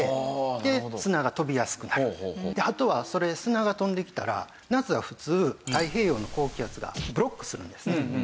あとはそれ砂が飛んできたら夏は普通太平洋の高気圧がブロックするんですね。